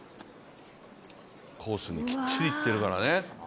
コースにきっちりいってるからね。